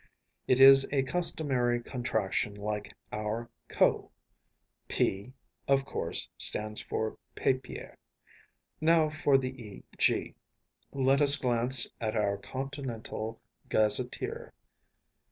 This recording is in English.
’ It is a customary contraction like our ‚ÄėCo.‚Äô ‚ÄėP,‚Äô of course, stands for ‚ÄėPapier.‚Äô Now for the ‚ÄėEg.‚Äô Let us glance at our Continental Gazetteer.